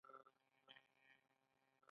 ستا په لاس کې ډک توپک دی بدي دار او ګنهګار یې